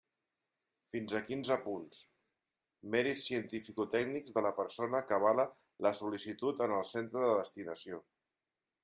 Fins a quinze punts: mèrits cientificotècnics de la persona que avala la sol·licitud en el centre de destinació.